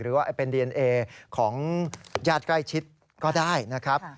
หรือว่าเป็นดีเอนเอของญาติใกล้ชิดก็ได้นะครับ